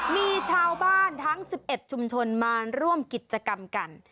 มีชาวบ้านทั้ง๑๑ชุมชนมาร่วมกิจกรรมกัน